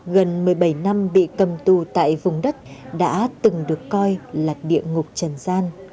gần một mươi bảy năm bị cầm tù tại vùng đất đã từng được coi là địa ngục trần gian